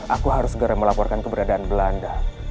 aku harus segera melaporkan keberadaan belanda